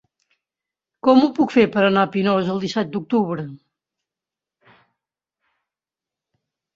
Com ho puc fer per anar a Pinós el disset d'octubre?